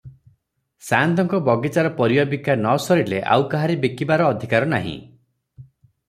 ସାଆନ୍ତଙ୍କ ବଗିଚାର ପରିବା ବିକା ନ ସରିଲେ ଆଉ କାହାରି ବିକିବାର ଅଧିକାର ନାହିଁ ।